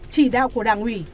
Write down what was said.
chỉ đạo của đảng ủy